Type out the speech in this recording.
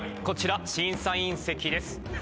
こちら審査員席です。